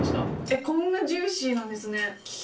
えっこんなジューシーなんですね。